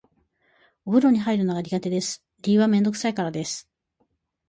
お風呂に入るのが苦手です。理由はめんどくさいからです。